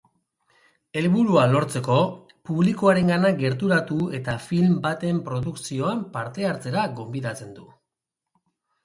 Helburua lortzeko, publikoarengana gerturatu eta film baten produkzioan parte hartzera gonbidatzen du.